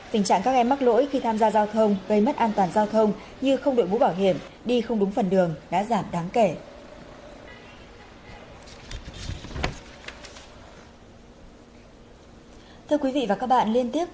tình trạng các em mắc lỗi khi tham gia giao thông gây mất an toàn giao thông như không đổi mũ bảo hiểm đi không đúng phần đường đã giảm đáng kể